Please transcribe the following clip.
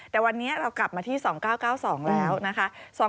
แต่วันนี้เรากลับมาที่๒๙๙๒แล้วนะคะ